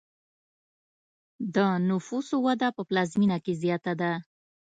د نفوسو وده په پلازمینه کې زیاته ده.